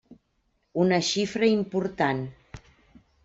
Una xifra important.